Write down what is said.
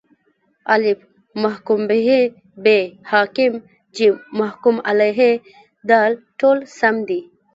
الف: محکوم به ب: حاکم ج: محکوم علیه د: ټوله سم دي